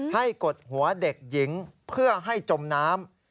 กดหัวเด็กหญิงเพื่อให้จมน้ำ